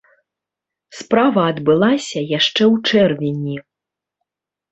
Справа адбылася яшчэ ў чэрвені.